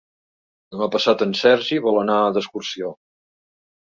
Demà passat en Sergi vol anar d'excursió.